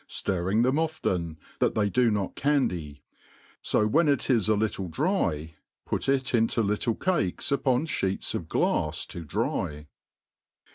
fiirring them often, that they do not can dy : fo when it is a little dry, put it into little cakes upon Iheet^ of glafs to dry.